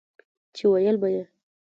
چې وييل به يې